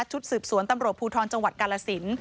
ชุดสืบสวนตำรวจภูทรจังหวัดกาลสิน